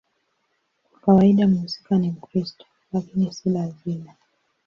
Kwa kawaida mhusika ni Mkristo, lakini si lazima.